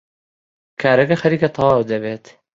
کارەکە خەریکە تەواو دەبێت.